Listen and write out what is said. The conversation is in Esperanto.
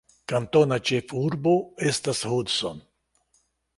Kantona ĉefurbo estas Hudson.